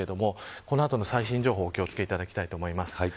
この後の最新情報にもお気を付けていただきたいと思います。